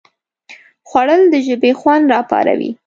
خوړل د ژبې خوند راپاروي